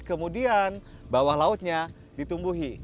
kemudian bawah lautnya ditumbuhi